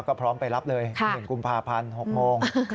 ก็พร้อมไปรับเลย๑กุมภาพันธ์๖โมง